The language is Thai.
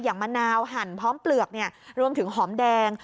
มะนาวหั่นพร้อมเปลือกรวมถึงหอมแดง